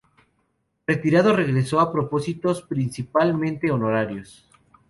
Retirado regresó a propósitos principalmente honorarios.